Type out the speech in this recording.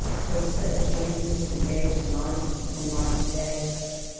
There were sudden changes from day to night and from night to day.